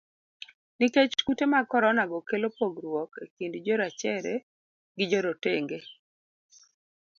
Nikech kute mag korona go kelo pogruok e kind jorachere gi jorotenge.